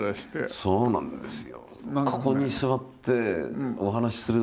そうなんですよ。